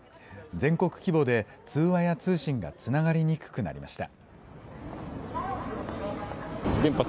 全国規模で通話や通信がつながりにくくなりました。